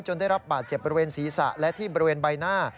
ได้รับบาดเจ็บบริเวณศีรษะและที่บริเวณใบหน้า